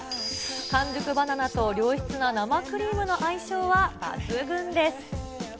完熟バナナと良質な生クリームの相性は抜群です。